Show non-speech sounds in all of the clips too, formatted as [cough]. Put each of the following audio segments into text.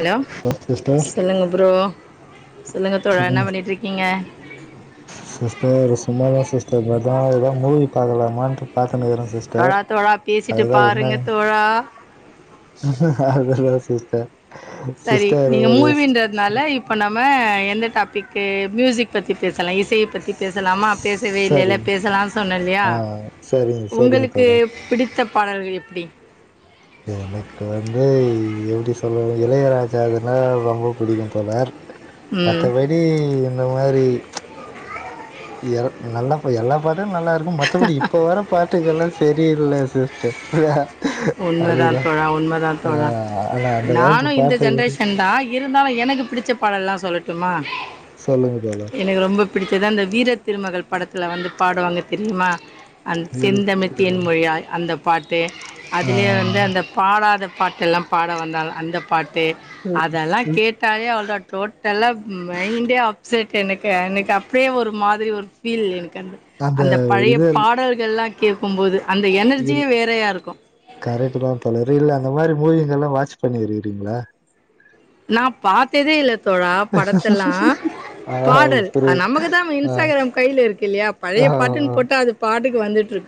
Hello sister சொல்லுங்க bro தோழா என்ன சொல்லுங்க பண்ணிட்டு இருக்கீங்க உஹம் சிஸ்டர் இதுசும்மாதா சிஸ்டர் அதா ஏதான் மூவி பாக்கலாமான்ட்டு பாத்துட்டுனுக்குறேன் சிஸ்டர் தோழா தோழா பேசிட்டு அதுதா பாருங்க என்னனு தோழா சிஸ்டர் செரி சிஸ்டர் நீங்க ஒரு மூவின்றதுனால இப்ப நம்ம எந்த டாபிக் ஹ் மியூசிக் பத்தி பேசலா இசைய பத்தி பேசலாமா பேசவே இல்லல்ல சரிங் பேசலாம்னு சொன்னே இல்லயா ஆ சரிங்க சரிங்க உங்களுக்கு தோழர் பிடித்த பாடல்கள் எப்டி எனக்கு வந்து [unintelligible] இளையராஜா இதெல்லா ரொம்ப பிடிக்கும் தோழர் ம் மத்தப்படி இந்த மாரி எ நல்லா எல்லா பாட்டு டைம் நல்லாருக்கு மத்தப்படி இப்ப வர பாட்டுகள்லா செரியில்ல சிஸ்டர் உண்மதா அதுதான் தோழா உண்மதா ஆ தோழா ஆனா அந்த நானு காலத்து இந்த பாட்டுகள் ஜென்ரேஷன் தா இருந்தாலு எனக்கு பிடிச்ச பாடல்லா சொல்லட்டுமா சொல்லுங்க தோழர் எனக்கு ரொம்ப பிடிச்சது அந்த வீர திருமகள் படத்துல வந்து பாடுவாங்க தெரியுமா அந்த செந்தமிழ்த் இருக்குது தேன் மொழியாய் அந்த ப ஆ அதுலயே வந்து அந்த பாடாத பாட்டெல்லாம் பாட வந்தாால் அந்த பாட்டு [unintelligible] அதெல்லா கேட்டாலே அவ்ளோ டோட்டலா மைண்டே அப்செட் எனக்கு எனக்கு அப்டியே ஒரு மாதிரி ஒரு ஃபீல் எனக்கு அந்த அந்த பழைய பாடல்கள்லா கேட்கும்போது அந்த இ எனர்ஜியே வேறையாக இருக்கும் கரெக்ட்டு தான் தலவரு இல்ல அந்த மாரி மூவிங்கெல்லா வாட்ச் பண்ணிருக்கிறீங்களா நா பாத்ததே இல்ல ட படத்தெல்லா ஆ பாடல் புரியுது நமக்கு தா ஆ இன்ஸ்ட்டாக்ராம் கையில இருக்குயில்லையா ஆ பழைய ஆ பாட்டுன்னு போட்டு அது பாடு வந்துட்டுருக்கு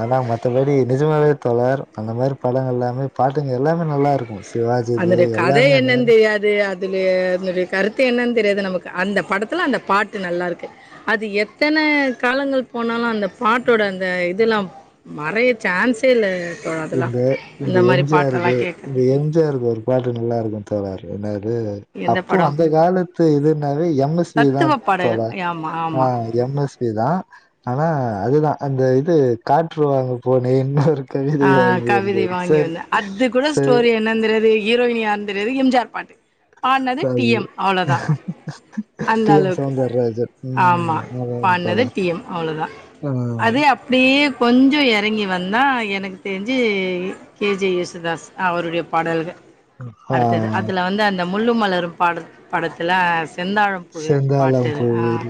ஆனா மத்தப்படி நிஜமாவே [unintelligible] அந்த மாதிரி படங்கள் எல்லாமே பாட்டுங்க எல்லாமே நல்லாருக்கு அதனுடைய கதை என்னென்னு தெரியாது அது இதிலே என்னுடைய கருத்து என்னன்னு தெரியாது நமக்கு அந்த படத்துல அந்த பாட்டு நல்லாருக்கு அது எத்தன காலங்கள் போனாலு அந்த பாட்டோட அந்த இதெல்லா மறைய சான்ஸே இல்ல தோழா அதெல்லாம். எங்க அந்த எங்க மாரி எம் ஜி ஆர் க்கு பாட்டெல்லாம் கேட்க. எங்க எம் ஜி ஆர் க்கு வருவோ பாக்க நல்லாருக்கு தோழர் ஏன்னா து எந்த அப்போ படம்? அந்த காலத்து இது எம் எஸ் வி தா தத்துவ பாடல்கள். தோழர் ஆமா, ஆ ஆமா. எம் எஸ் வி தா ஆனா அது தா அந்த இது காற்று வாங்க போனே இன்னுருக்கு ஆ கவிதை வாங்கி வந்தே அது கூட ஸ்டோரி என்ன தெரியாது ஹீரோயினி யார்ன்னு தெரியாது எம் ஜி ஆர் பாட்டு பாட்னது சார் டி எம் அவ்ளோதா அந்த டி எம் அளவுக்கு சௌந்தரராஜன் ஆமா ம் ஆமாம் பாட்னது தோழர் டி எம் அவ்ளோதா ஆ அது அப்படியே கொஞ்சோ எறங்கி வந்தா எனக்கு தெரிஞ்சு கே ஜே யேசுதாஸ் அவருடைய பாடல்கள் ஆ அடுத்தது அதுல வந்து அந்த முள்ளு மலரும் பாட படத்துல செந்தாழம்பூவே பாட்டு செந்தாழம் ஆ பூவில்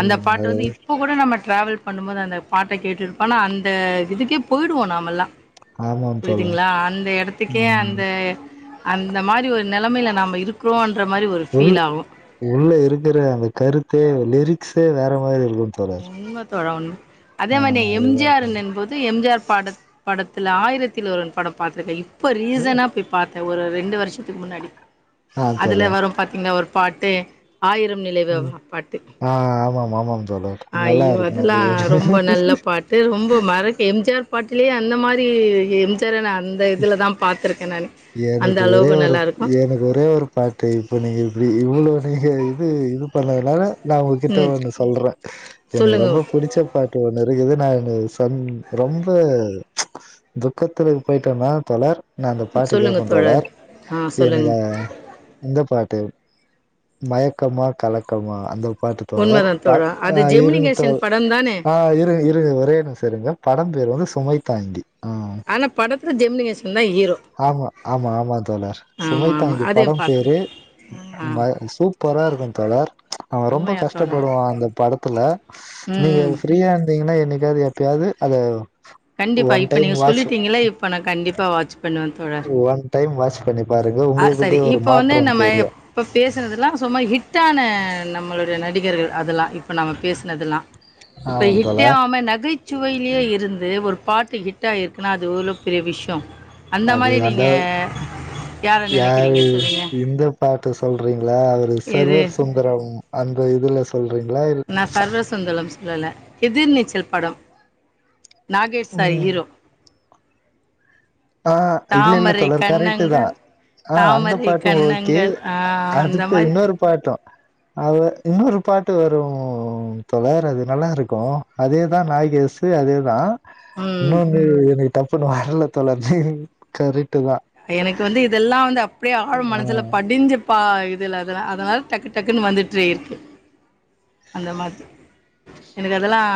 அந்த பாட்டு அது வந்து இப்போ கூட நம்ம ட்ராவல் பண்ணும்போது அந்த பாட்ட கேட்டுட்டுபோனா அந்த இதுக்கே போய்ருவோ நாமெல்லா ஆமாம் தோழர் புரியுதுங்களா அந்த எடத்துக்கே ம் அந்த அந்த மாரி ஒரு நெலமையில நாம இருக்கிறோன் உள் உள்ள இருக்கிற அந்த கருத்தே வ லிரிக்ஸே வேற மாரி இருக்கு உண்மை தான் அதே மாரி அதுதா எம்ஜிஆர் என்பது எம்ஜிஆர் பட படத்துல ஆயிரத்தில் ஒருவன் படம் பார்த்திருக்க இப்போ ரீசனா போய் பார் ஒரு ரெண்டு வருஷம் முன்னாடி ஆ அதுல வரும் பாத்தீங்கன்னா ஒரு பாட்டு ஆயிரம் உம் நிலவுவா பாட்டு ஆஹ் ஆமாமா ஆமாம் தோழரே ஐயோ அதெல்லாம் ரொம்ப நல்ல பாட்டு ரொம்ப மறக்க எம்ஜிஆர் பாட்டிலே அந்த மாரி எம்ஜிஆர்ர அந்த எனக்கு ஒரே அளவுக்கு ஒரு நல்லா இருக்கு எனக்கு ஒரே ஒரு பாட்டு இப்ப நீங்க இப்படி இவ்ளவு நீங்க இது இது பண்ண எல்லார நான் உங்ககிட்ட ம் ஒன்னு சொல்றேன் எனக்கு சொல்லுங்க ரொம்ப பிடிச்ச பாட்டு ஒண்ணு இருக்குது நான் ரொம்ப துக்கத்துல போயிட்டோந்ர் தோழர் நான் அந்த பாட்டு சொல்லுங்க கேட்பேன் தோழர் ஆ சொல்லுங்க எனக்கு இந்த பாட்டு மயக்கமா கலக்கமா அந்த பாட்டுத்தோழர் உண்மதா தோழா அது இருங்க ஜெமினிகேஷன் படம் தானே ஆஹ் இரு இருங்க தோழர் என்னும் சருங்க படம் பேர் வந்து சுமைதாங்கி ஆனப் ஆம்மா ஆம்மா ஆம்மா தோழர் ஆமா ஆமா சுமைதாங்கி அதையு படம் பேரு பாத்துருக்கே ஆ மய் சூப் பரா இருக்கும் தோழர் அவன் ரொம்போ உண்மையா தோழா கஷ்டப்படுவான் அந்த படத்துல நீங்க ம் ஃப்ரீயா இருந்தீங்ன்னா என்னக்காது எப்பயாது அத கண்டிப்பா ஒன் இப்ப டைம் நீங்க வாட்ச் சொல்லிட்டீங்களா இப் ப நா கண்டிப்பாக வாச்சி ஒன் டைம் வாச்சிப் அஹ் செரி இப்ப வந்து நம்ம தெரியு இப் இப்ப பேசுனதுல்லா சும்மா ஹிட் டான நம்மளுடைய நடிகர்கள் அதெலா இப்போ நம்ம பேசினதெல்லா இப்ப ஆமாம் ஹிட்டே தோழர் ஆவம நகைச்சுவையிலயே இருந்து ஒரு பாட்டு ஹிட்டாயிருக்குன்னா அது எவ்ளோ பெரிய விஷ்யம் அந்த அது மாரி அந்த நீங்க யாரு நெனைக்கிறீங்க சொல்லுங்க இந்த பா பாத்து சொல்றீங் ளா அவரு எது சர்வர் சுந்தரம் அந்த இதுல சொல் நான் சர்வர்சுந்தலம்ஸ் இல்ல இல்ல எதிர் நீச்சல் படம் நாகேஷ் சார் ஹீரோ ஆஹ் இல்ல இல்ல தாமரை தோழர் கரெட்டு தா கண்ணங்கள் ஆஹ் அந்த தாமரை பாட்டும் ஓகே கண்ணங்கள் ஆ அந்த அடுத்து மாரி இன்னொரு பாட்டும் அவ இன்னொரு பாட் டு வரும் தோழர் அது நல்லாருக்கும் அதேதான் நாகேசு அதேதான் ம் இன்னொன்னு எனக் டப்புனு வர்ல தோழர் ஜிங்க் கரெட்டுதா எனக்கு வந்து இதெல்லா வந்து அப் டியே ஆள் ஆ மனசுல படிஞ்ச பா இதுல அதலா அதனால் டக்கு டக்குன்னு வந்துட்றே இருக்கு அந்த மாத்ரி எனக்கு அதெல்லாம்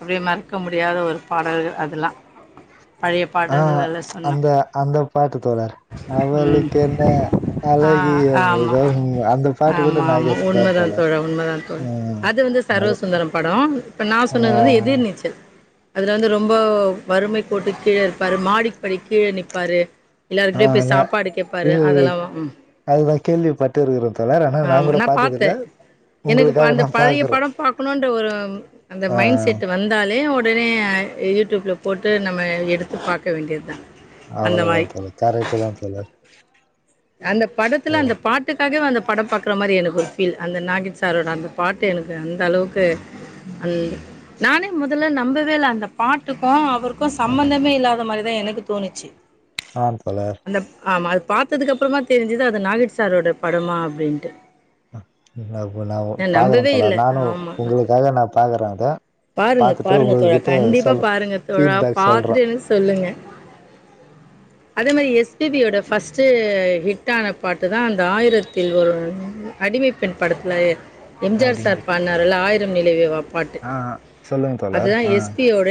அப்டியே மறக்க முடியாத ஒரு பாடல்கள் அதெலாம் பழைய ஆ பாடல்லலா சொன்னா அந்த அந்த பாட்டு தோழர் உம் அவளுக்கு என்ன ஆஹ் அழகிய ஆம்மா முகம் அந்த பாட்டு கூட ஆம்மா ம்மா நாகேஷ் தா உண்மதான் தோழர் உண்மதான் தோழர் ம் அது வந்து சர்வர்சுந்தரம் படம் இப்ப நா ஆ சொன்னது வந்து எதிர் நீச்சல் அதுல வந்து ரொம்போ வறுமை கோட்டுக் கீழே இருப்பாரு மாடிப்படிக் கீழே நிப் ப்பாறு எல்லாருக்கிட்டயும் போய் ஆனா சாப்பாடு கேட்பாரு இது அதெல்லாம் அதுதா கேள்விப்பட்டு இருக்கிறே தோழர் ஆனா நா ஆமா கூட நான் பாத்தது இல்ல பார்த்தேன் எனக்கு உங்களுக்காக அந்த நா பழைய பாக்குறே படம் பாக்கணும் ஒரு அந்த ஆ மைண்ட் செட் வந்தாலே ஒடனே யூடியூப்ல போட்டு நம்ம எடுத்து பார்க்க வேண்டியது தான் அந்த அவ்வளதான் மாதிரி தோழர் கரக்ட்டு தான் தோழர் அந்த படத்துல அந்த பாட்டுக்காகவே அந்த படம் பார்க்கற மாதிரி எனக்கு ஒரு ஃபீல் அந்த நாகேஷ் சாரோட அந்த பாட்டு எனக்கு அந்த அளவுக்கு நானே முதல்ல நம்பவே இல்லே அந்த பாட்டுக்கும் அவரு சம்பந்தமே இல்லாத மாதிரி எனக்கு தோணுச்சு ஆ தோழர் அந்த ஆமா அதுக்கு அப்புறமா தான் தெரிஞ்சுது அது நாகேஷ் சாரோட படமா அப்படின்ட்டு ப்ப நான் பாக்குறேன் இல்ல. தோழர் நானும் ஆமா. உங்களுக்காக நான் பாக்குறேன் அத பாருங்க பாத்துட்டு பாருங்க தோழா உங்ககிட்ட கண்டிப்பா சொல் பாருங்க தோழா ஃபீட்பேக் சொல்றே பார்த்துட்டு சொல்லுங்க அதே மாதிரி எஸ் பி பி யோட ஃபர்ஸ்ட்டு ஹிட்டான பாட்டு தான் அந்த ஆயிரத்தில் ஒரு அடிமைப்பெண் படத்தில எம்ஜிஆர் சார் பாட்ணாரில்லே ஆயிரம் நிலவே வா ஆஹ்ஹா அதுதான் எஸ் பி யோட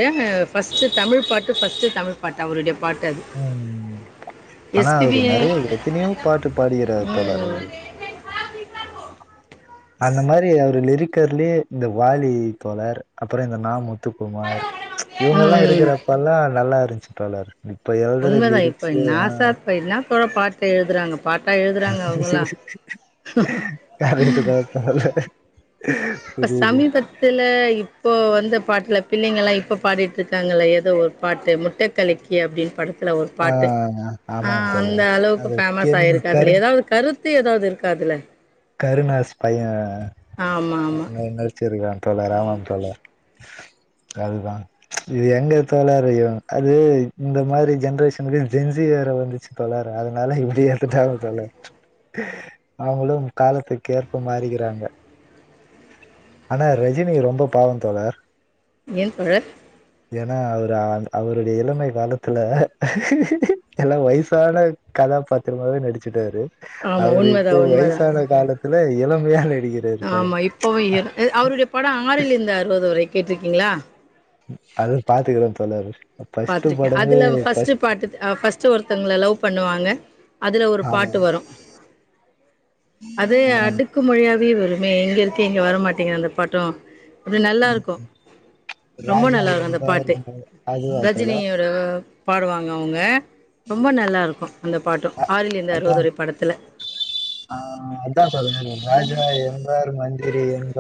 ஃபர்ஸ்ட் தமிழ் பாட்டு ஃபர்ஸ்ட் தமிழ் பாட்டு அவருடைய பாட்டு அது உம் ஆனா அவரு எஸ்பிபி நெறைய எத்தனையோ பாட்டு பாடியிருக்கிறார் தோழர் அவரு அந்த மாதிரி அவரு லிரிக் இருக்கறதிலேயே இந்த வாலி தோழர் அப்புறம் இந்த நா முத்து க்குமார் இவங்க எல்லாம் இருக்கிறப்பல்லாம் நல்லா இருந்துச்சு தோழர் இப்ப எழுதுற உண்மதான் இப்ப லிரிக்ஸு நாசா [unintelligible] என்ன போல பாட்டு எழுதுறாங்க பாட்டாக எழுதுறாங்க அவங்களாம் கரெக்டு தான் [unintelligible] இப்ப சமீபத்துல இப்போ வந்த பாட்டுல பின் நீங்களெல்லாம் இப்ப பாடிட்டு இருக்காங்கல்ல ஏதோ ஒரு பாட்டு முட்ட கலக்கினு அப்படின்னு படு ஒரு ஆ பாட்டு ஆமாம் ஆஹ் அந்த தோழர் அளவுக்கு அது ஃபேமஸ் கென் ஆயிருக்கு கருண் அதுல ஏதாவது கருத்து கருத்து ஏதாவது இருக்கா அதுல கருணாஸ் பையே ஆமா ஆமா நடிச்சு இருக்கான் தோழர் ஆமாம் தோழர் அதுதா இது எங்கே தோழர் அது இந்த மாரி ஜென்ரேஷனுக்கு ஜென்சி வேற வந்துட்சி தோழர் அதனால இப்டி ஏத்துட்டாங்க தோழர் அவுங்களும் காலத்துக்கு ஏற்ப மாறிக்கிறாங்க ஆனா ரஜினி ரொம்ப பாவம் தோழர் ஏன் தோழர் ஏன்னா அவரு அவருடைய இளமை காலத்துல எல்லா வயசான கதாபாத்திரமாவே நடிச்சுட்டாரு ஆமா உண்மதா உண்மதா பிற்காலத்துல இளமையாவே ஆமா இப்பவும் அவருடைய படம் ஆறிலிருந்து அறுபது வரை கேட்டிருக்கீங்களா அது பாத்துக்கிறேன் தோழர் ஃபர்ஸ்ட் பாத்திருக்கே படமே அதுல ஃபஸ்ட் ஃபர்ஸ்ட் பாட்டு ஃபஸ்ட் ஒருத்தங்கள லவ் பண்ணுவாங்க அதுல ஒரு ஆமா பாட்டு வரோ அது ஆமா அடுக்கு மொழியாக பீல் வருமே இங்க இருக்கு இங்கே வரமாட்டேங்கிது அந்த பாட்டும் அது நல்லா இருக்கோ ரொம்ப ராஜா நல்லா இருக்கோ அந்த என்பார் பாட்டு ம- அதுவா தோழா ரஜினியோட பாடுவாங்க அவுங்க ரொம்ப நல்லா இருக்கும் அந்த பாட்டும் ஆறிலிருந்து அதான் அறுபதுவரை பாடத்துல ஆஹ் அதான் தோழர் ராஜா என்றார் மந்திரி என்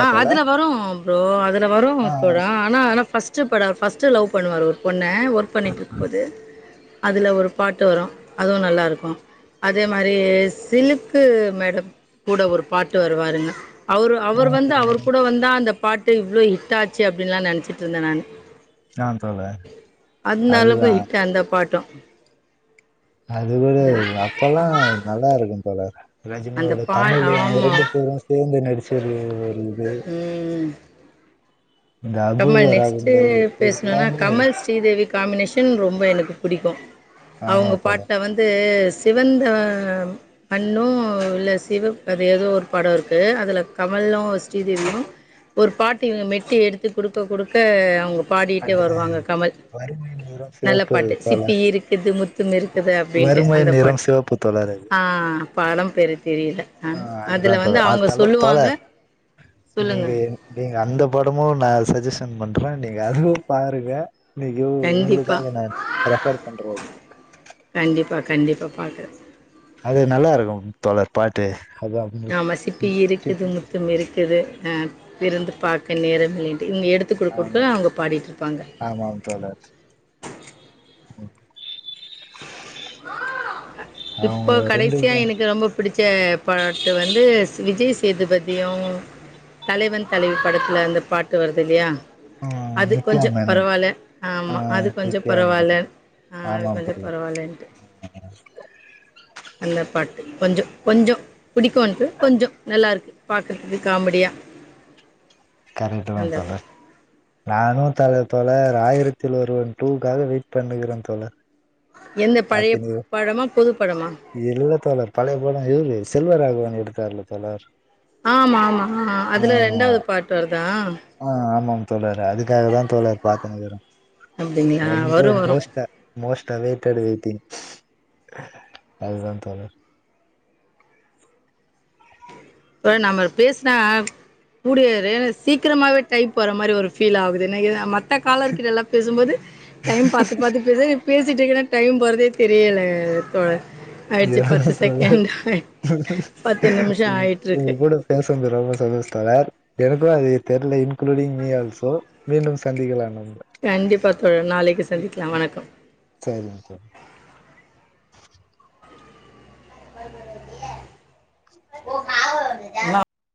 ஆஹ் அதுல வரும் ப்ரோ அதுல வரும் ஆஹ் தோழா ஆனா ஆனா ஃபஸ்ட் ஃபஸ்ட்டு படோ பஸ்ட் லவ் பண்ணுவாரு ஒரு பொண் னா ஒர்க் பண்ணிட்டிருக்கும் போது அதுல ஒரு பாட்டு வரோ அதுவு நல்லாருக்கோ அதே மாரி சிலுக்கு மேடம் கூட ஒரு பாட்டு வருங்க அவ அவர் வந்து உம் அவர் கூட வந்தா அந்த பாட்டு இவ்வளோ ஹிட் ஆச்சு அப்டின்னுலா நெனச்சிட்டு இருந்தே நானு ஆஹ் தோழர் அந்த அளவுக்கு அதுதான் ஹிட் அந்த பாட்டும் அது கூட அந்த அப்பல்லா நல்லா இருக்கும் தோழர் அந்த ரஜினியோட பா தமிழ் அவுங்க ஆமா ரெண்டு பேரும் சேந்து நடிச்சது ஒரு இது ம் இந்த கமல் அபூர்வ நெக்ஸ்ட் ராகங்கள் இது பேசணுன்னா எல்லாமே கமல் ஸ்ரீதேவி காம்பினேஷன் ரொம்ப எனக்கு புடிக்கோ ஆமா அவுங்க தோழர் பாட்ட வந்து சிவந்த மண்ணு இல்ல சிவப் அது ஏதோ ஒரு பாடோ இருக்கு அதில கமலு ஸ்ரீதேவியும் ஒரு பாட்டு இவ மெட்டி எடுத்து குடுக்க குடுக்க அவுங்க பாடிட்டே அது வருவாங்க கமல் வறுமை நிறம் நல்ல சிவப்பு பாட்டு சிப்பி தோழர் இருக்குது மு [unintelligible] இது அப்டின்ட்டு வறுமை அந்த நிறம் பாட்டு சிவப்பு ஆ படம் பெரு ஆ அதுதான் த அ சொல்லுவாங்க தோழர் நீங்க சொல்லுங்கள் நீங்க அந்த படமும் நா சஜ்ஜஷன் பண்றே நீங்க அதுவும் பாருங்க இன்னைக்கி கண்டிப்பாக உங்களுக்காக நான் ரெஃபர் பண்றோ பாக்குறே அது நல்லாயிருக்கூ தோழர் பாட்டு அது அவங்க நா வசிப்பி இருக்குது சித்தி. முத்தம் இருக்குது இருந்து பார்க்க நேரம் [unintelligible] இங்க எடுத்து குடுத்து ஆமா அவுங்க பாடிட்டு இருப்பாங்க ம் இப்போ அவங்க ரெண்டு கடைசியா எனக்கு ரொம்ப பிடிச் பச்ச பாட்டு வந்து விஜய் சேதுபதியும் தலைவன் தலைவி படத்தில அந்த பாட்டு வருது இல்லையா ம் அது நித்யா கொஞ்சோ மேனன் பரவால்ல ஆ ஆமா அது கொஞ்சோ நித்யா பரவால்ல மேனன் அது ஆமாம் கொஞ்சோ தோழர் பரவாயில்ன்ட்டு அந்த பாட்டு கொஞ்சோ கொஞ்சோ பிடிக்கும்னுட்டு கொஞ்சோ நல்லா இருக்கு பாக்குறதுக்கு காமடியா கரெக்ட்டு தா நானு தல தோழர் ஆயிரத்தில் ஒரு ஒன் டூக்காக வெயிட் பண்ணுறே தோழர் எந்த பழைய ஆத்த படமா? புது படமா? இல்ல தோழர் பழைய படமா இவ செல்வராகவ ஆ [unintelligible] தோழர் ஆமா ஆமா ஆ அதுல ஆ ரெண்டாவது பார்ட் வரு ஆ ஆ ஆமாம் தோழர் அதுக்காக தா தோழர் பாத்து னுக்கிறே அப்டிங்களா ரொம்ப வரு வரு மோஸ்டா மோஸ்டா அதான் தோழர் நம்ம பேசினா கூடிய சீக்கிரமாவே டைம் போற மாரி ஒரு ஃபீல் ஆகுது என மத்த மத்த காலர்ருக்கிட்டலாம் பேசும்போது டைம் பாத்து பாத்து பேச பேசிட்டு இருக்கேன்னா டைம் போறதே தெரியல தோழர் ஆயிடுச்சு பத்து எவ்வளவு தோழர் செகண்ட் ஆ பத்து நிமிஷம் உங்க ஆயி உங்க கூட பேசனது ரொம்ப சந்தோஷோ தோழர் எனக்கூ அது தெரில இன்குலூடிங் மீ ஆல்சோ மீண்டும் சந்திக்கலா நம்ம கண்டிப்பா தோழர் நாளைக்கு சந்திக்கலா வணக்கம் சரிங்க தோழர் [unintelligible]